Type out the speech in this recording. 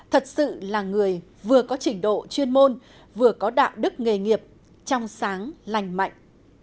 thật sự là người vừa có trình độ chuyên môn vừa có đạo đức nghề nghiệp trong sáng lành mạnh